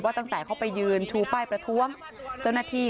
ตั้งแต่เข้าไปยืนชูป้ายประท้วงเจ้าหน้าที่